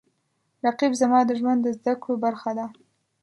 رقیب زما د ژوند د زده کړو برخه ده